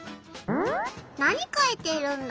何かいているんだ？